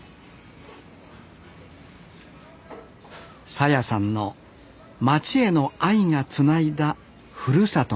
沙耶さんの町への愛がつないだふるさとの味です